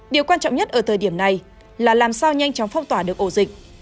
điều quan trọng nhất ở thời điểm này là làm sao nhanh chóng phong tỏa được ổ dịch